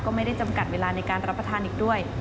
ก็ไม่ได้จำกัดเวลาในการรับประทานอีกด้วย